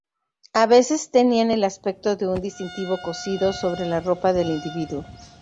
A veces tenían el aspecto de un distintivo cosido sobre la ropa del individuo.